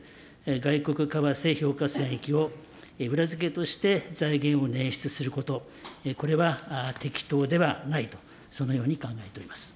外国為替評価損益を裏付けとして、財源を捻出すること、これは適当ではないと、そのように考えております。